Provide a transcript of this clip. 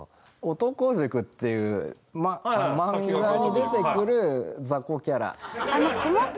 『男塾』っていう漫画に出てくるザコキャラ。